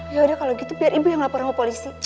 yaudah kalau gitu biar ibu yang lapor ke polisi